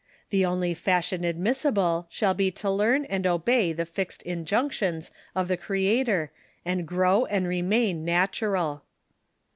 The only fashion admissible shall be to learn and obey the fixed injunctions of the Crea tor, and grow and remain natural